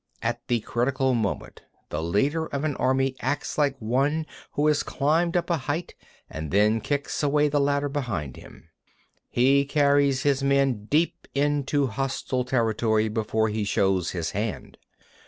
38. At the critical moment, the leader of an army acts like one who has climbed up a height and then kicks away the ladder behind him. He carries his men deep into hostile territory before he shows his hand.